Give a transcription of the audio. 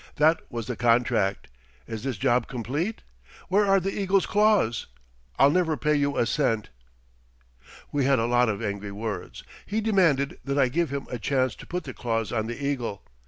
'That was the contract. Is this job complete? Where are the eagle's claws? I'll never pay you a cent!' "We had a lot of angry words. He demanded that I give him a chance to put the claws on the eagle.